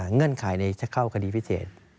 เงื่อนไขจะเข้าคดีพิเศษ